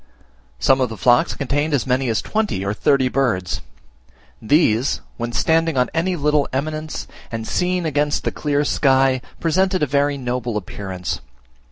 Some of the flocks contained as many as twenty or thirty birds. These, when standing on any little eminence, and seen against the clear sky, presented a very noble appearance.